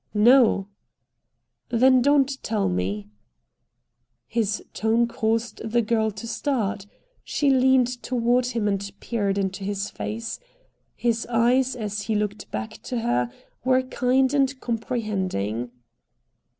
"No." "Then don't tell me." His tone caused the girl to start. She leaned toward him and peered into his face. His eyes, as he looked back to her, were kind and comprehending.